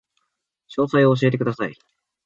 詳細を教えてください